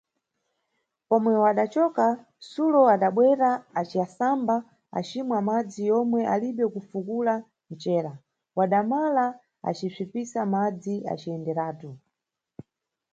Pomwe wadacoka, Sulo adabwera, aciasamba, acima madzi yomwe alibe kufukula ncera, wadamala, aci psipisa madzi aciyenderatu.